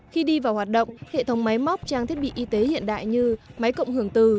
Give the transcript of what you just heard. khi đi vào hoạt động hệ thống máy móc trang thiết bị y tế hiện đại như máy cộng hưởng từ